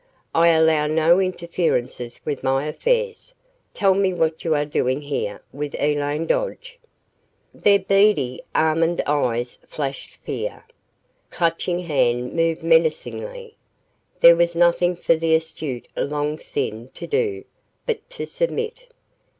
I allow no interferences with my affairs. Tell me what you are doing here with Elaine Dodge." Their beady almond eyes flashed fear. Clutching Hand moved menacingly. There was nothing for the astute Long Sin to do but to submit.